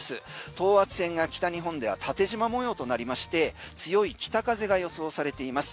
等圧線が北日本では縦じま模様となりまして強い北風が予想されています。